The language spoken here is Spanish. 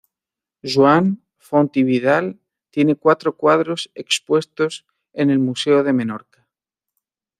Joan Font i Vidal tiene cuatro cuadros expuestos en el museo de Menorca.